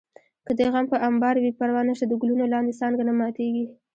که دې غم په امبار وي پروا نشته د ګلونو لاندې څانګه نه ماتېږي